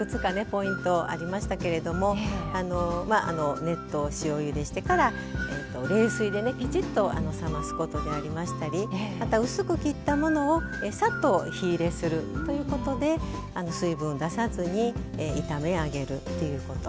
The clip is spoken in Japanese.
ポイントありましたけれどもあのまああの熱湯塩ゆでしてから冷水でねきちっと冷ますことでありましたりまた薄く切ったものをさっと火入れするということで水分出さずに炒めあげるっていうこと。